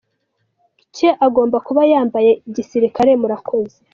cye agomba kuba yambaye gisirikare murakoze.